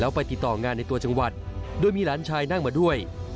ไปติดต่องานในตัวจังหวัดโดยมีหลานชายนั่งมาด้วย